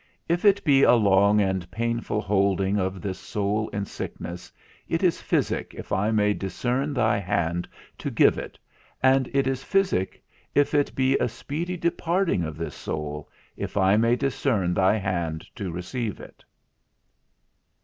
If it be a long and painful holding of this soul in sickness, it is physic if I may discern thy hand to give it; and it is physic if it be a speedy departing of this soul, if I may discern thy hand to receive it.